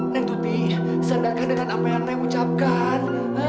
neng tuti sadarkan dengan apa yang aku ucapkan